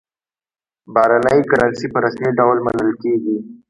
بهرنۍ کرنسي په رسمي ډول منل کېږي.